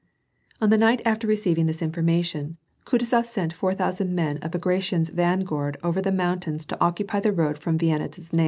On the night after receiving this information, Kutuzof sent four thousand men of Bagration's vanguard over the mountains to occupy the road from Vienna to Znaim.